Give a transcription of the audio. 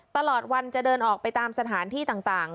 ตลอดวันจะเดินออกไปตามสถานที่ต่าง